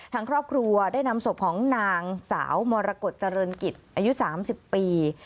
ทางครอบครัวได้นำศพของนางสาวมรกฏเจริญกิจอายุ๓๐ปี